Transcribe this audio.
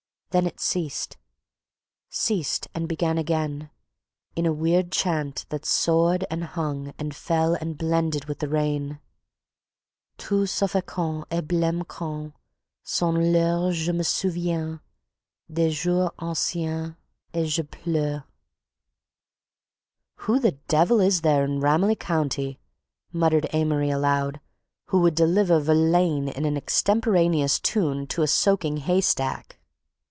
Then it ceased: ceased and began again in a weird chant that soared and hung and fell and blended with the rain: "Tout suffocant Et bleme quand Sonne l'heure Je me souviens Des jours anciens Et je pleure...." "Who the devil is there in Ramilly County," muttered Amory aloud, "who would deliver Verlaine in an extemporaneous tune to a soaking haystack?"